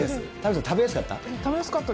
食べやすかった？